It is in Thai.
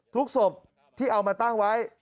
ศพที่เอามาตั้งไว้